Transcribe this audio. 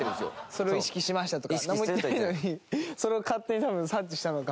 「それを意識しました」とかなんも言ってないのにそれを勝手に多分察知したのか。